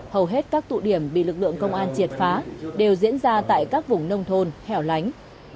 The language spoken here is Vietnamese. hầu hết các tụ điểm bị lực lượng công an triệt phá đều diễn ra tại các vùng nông thôn hẻo lánh